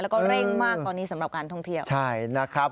แล้วก็เร่งมากตอนนี้สำหรับการท่องเที่ยวใช่นะครับ